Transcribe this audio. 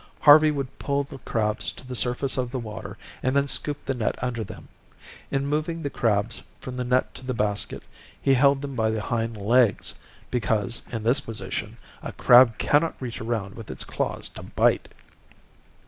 Harvey would pull the crabs to the surface of the water and then scoop the net under them. In moving the crabs from the net to the basket, he held them by the hind legs, because, in this position, a crab cannot reach around with its claws to bite.